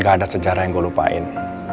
gak ada sejarah yang gue lupain